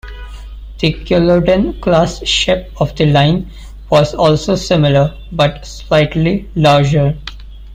The Culloden class ship of the line was also similar, but slightly larger.